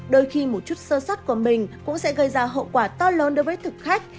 đôi khi một chút sơ sắt của mình cũng sẽ gây ra hậu quả to lớn đối với thực khách